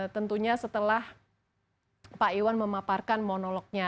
tentunya setelah pak iwan memaparkan monolognya